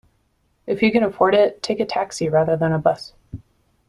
If you can afford it, take a taxi rather than a bus